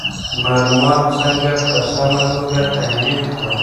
معلومات څنګه په سمه توګه تحلیل کړو؟